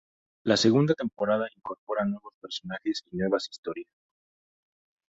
La segunda temporada incorpora nuevos personajes y nuevas historias.